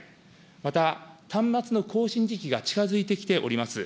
また端末の更新時期が近づいてきております。